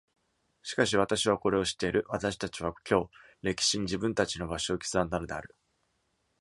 しかし、私はこれを知っている。私たちは今日、歴史に自分たちの場所を刻んだのである。